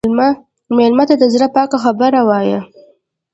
مېلمه ته د زړه پاکه خبره وایه.